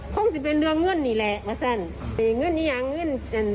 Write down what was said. คงจะเป็นเรื่องเงื่อนนี่แหละว่าซันเงื่อนนี่อย่างเงื่อน